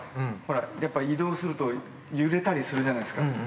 やっぱ移動すると揺れたりするじゃないですか。